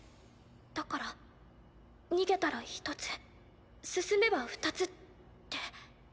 だから逃げたら１つ進めば２つって。